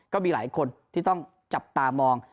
ก็มีหลายคนที่ต้องจับตามอง